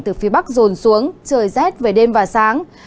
từ phía bắc rồn xuống trời rét về đêm và sáng